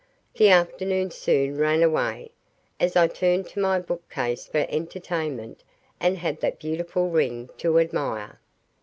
The afternoon soon ran away, as I turned to my bookcase for entertainment and had that beautiful ring to admire.